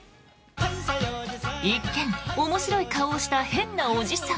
一見、面白い顔をした面白いおじさん。